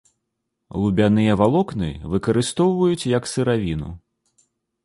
Лубяныя валокны выкарыстоўваюць як сыравіну.